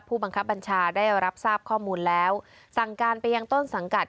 ผู้บังคับบัญชาได้รับทราบข้อมูลแล้วสั่งการไปยังต้นสังกัด